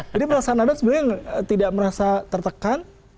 jadi perasaan anda sebenarnya tidak merasa tertekan